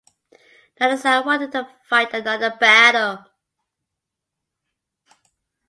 Neither side wanted to fight another battle.